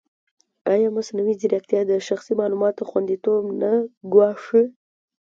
ایا مصنوعي ځیرکتیا د شخصي معلوماتو خوندیتوب نه ګواښي؟